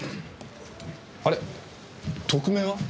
あれ特命は？